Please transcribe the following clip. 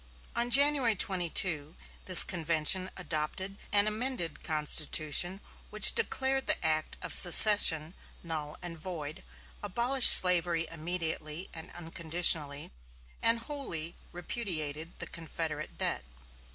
On January 22 this convention adopted an amended constitution which declared the act of secession null and void, abolished slavery immediately and unconditionally, and wholly repudiated the Confederate debt.